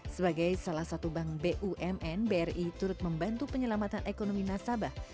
sebagai salah satu bank bumn bri turut membantu penyelamatan ekonomi nasabah